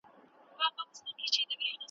کله وعده کله انکار کله پلمه لګېږې .